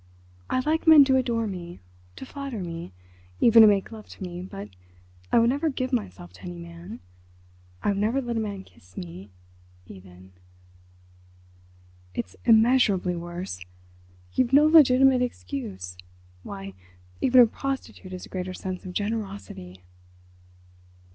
I like men to adore me—to flatter me—even to make love to me—but I would never give myself to any man. I would never let a man kiss me... even." "It's immeasurably worse—you've no legitimate excuse. Why, even a prostitute has a greater sense of generosity!"